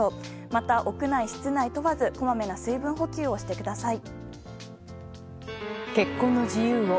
また、屋外室内問わずこまめな水分補給をしてください。